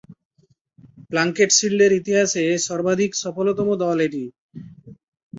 Plunkett শীল্ডের ইতিহাসে সর্বাধিক সফলতম দল এটি।